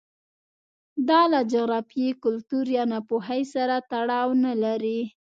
دا له جغرافیې، کلتور یا ناپوهۍ سره تړاو نه لري